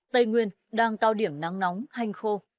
tây nguyên đang cao điểm nắng nóng hanh khô